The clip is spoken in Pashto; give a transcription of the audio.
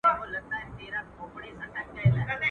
مه ځه پر هغه لار چي نه دي مور ځي نه دي پلار.